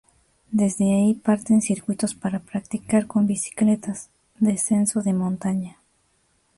Desde allí parten circuitos para practicar con bicicletas, descenso de montaña.